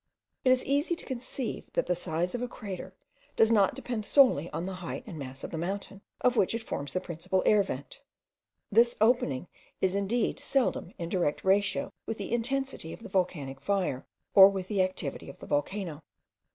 It is easy to conceive, that the size of a crater does not depend solely on the height and mass of the mountain, of which it forms the principal air vent. This opening is indeed seldom in direct ratio with the intensity of the volcanic fire, or with the activity of the volcano.